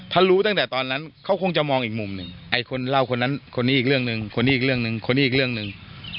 ถ้ารู้ตั้งแต่ตอนนั้นเขาคงจะมองอีกมุมหนึ่งไอ้คนเล่าคนนั้นคนนี้อีกเรื่องหนึ่งคนนี้อีกเรื่องหนึ่งคนนี้อีกเรื่องหนึ่ง